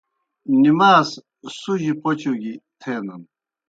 نماز سُجہ پوْچوْ گیْ تھینَن۔